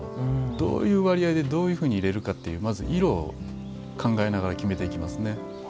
どういう割合でどう入れるかってまず色を考えながら決めていきますね。